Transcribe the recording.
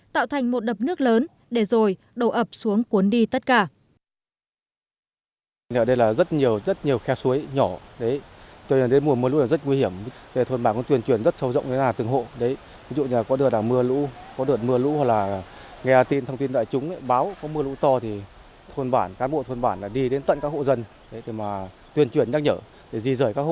tạo thành một đập nước lớn để rồi đổ ập xuống cuốn đi tất cả